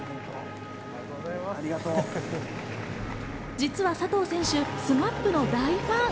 実は佐藤選手、ＳＭＡＰの大ファン。